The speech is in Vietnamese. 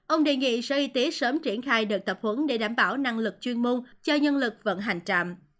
ông đề nghị sở y tế sớm triển khai đợt tập huấn để đảm bảo năng lực chuyên môn cho nhân lực vận hành trạm